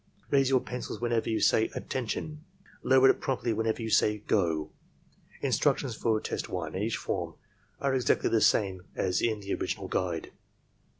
Raise your pencil whenever you say "Attention." Lower it promptly whenever you say "Go." Instructions for test 1, each form, are exactly the same as in the original guide.